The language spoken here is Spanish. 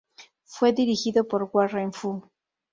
Fue dirigido por Warren Fu.